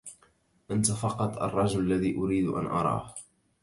أنت فقط الرجل الذي أريد ان أراه